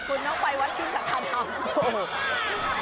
คุณต้องไปวัดตื่นสัตว์ธาตุครับ